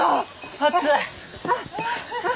暑い！